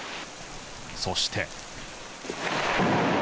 そして。